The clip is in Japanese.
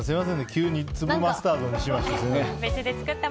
急に粒マスタードにしました。